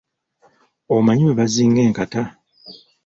Omanyi bwe bazinga enkata?